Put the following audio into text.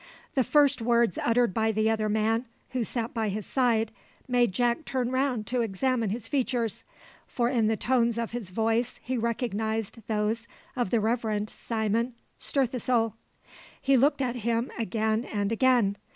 The first words uttered by the other man, who sat by his side, made Jack turn round to examine his features, for in the tones of his voice he recognised those of the Reverend Simon Stirthesoul. He looked at him again and again.